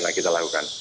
karena kita lakukan